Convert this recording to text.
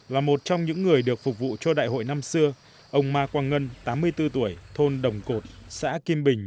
là một trong những người được phục vụ cho đại hội năm xưa ông ma quang ngân tám mươi bốn tuổi thôn đồng cột xã kim bình